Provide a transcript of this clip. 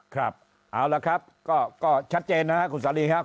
ครับเอาละครับก็ชัดเจนนะครับคุณสาลีครับ